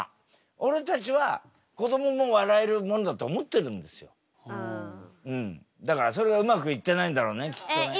俺たちはだからそれがうまくいってないんだろうねきっとね。